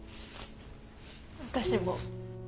私も。